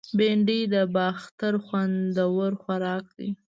بېنډۍ د باختر خوندور خوراک دی